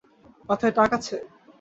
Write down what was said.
মাথায় টাক আছে?